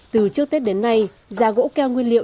từ trước tết đến nay giá gỗ keo nguyên liệu